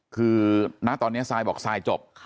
คือณตอนนี้ซายบอกซายจบ